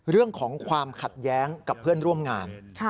เรื่องของความขัดแย้งกับเพื่อนร่วมงาน